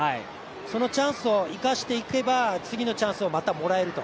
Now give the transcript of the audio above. そのチャンスを生かしていけば次のチャンスをまたもらえると。